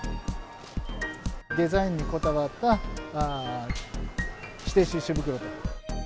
デザインにこだわった、指定収集袋と。